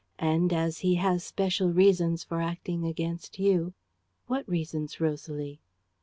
'And, as he has special reasons for acting against you. ...' "'What reasons, Rosalie?'